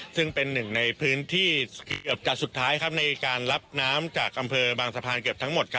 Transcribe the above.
ซึ่งเป็นหนึ่งในพื้นที่เกือบจะสุดท้ายในการรับน้ำจากอำเภอบางสะพานเกือบทั้งหมด